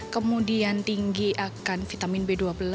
kemudian tinggi akan vitamin b dua belas